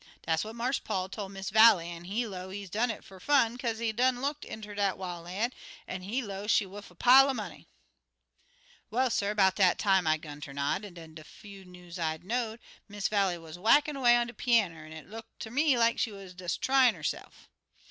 Dat what Marse Paul tol' Miss Vallie, an he 'low he des done it fer fun, kaze he done looked inter dat wil' lan', an' he low she's wuff a pile er money. "Well, suh, 'bout dat time, I 'gun ter nod, an' de fus news I know'd Miss Vallie wuz whackin' 'way on de peanner, an' it look like ter me she wuz des tryin' 'erse'f.